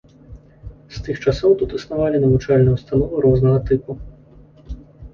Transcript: З тых часоў тут існавалі навучальныя ўстановы рознага тыпу.